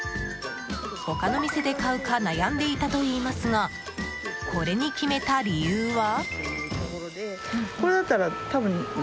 他の店で買うか悩んでいたといいますがこれに決めた理由は？